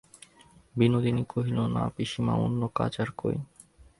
বিনোদিনী কহিল, না, পিসিমা, অন্য কাজ আর কই।